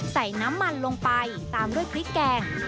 ใส่น้ำมันลงไปตามด้วยพริกแกง